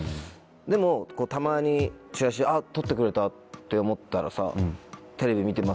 でもたまにチラシあっ取ってくれた！って思ったらさ。